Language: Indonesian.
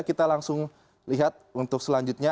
kita langsung lihat untuk selanjutnya